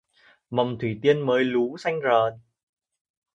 Mầm thủy tiên mới lú xanh rờn